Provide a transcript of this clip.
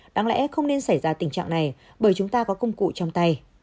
đáng lẽ không nên xảy ra tình trạng này bởi chúng ta có công cụ trong tay